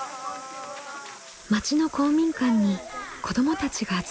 町の公民館に子どもたちが集まってきます。